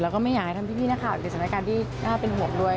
แล้วก็ไม่อยากให้ทั้งพี่นักข่าวในสถานการณ์ที่น่าเป็นห่วงด้วย